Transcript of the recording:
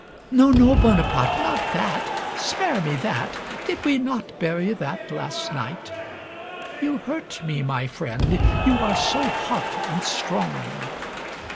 No, no, Bonaparte, not that spare me that did we not bury that last night! You hurt me, my friend, you are so hot and strong.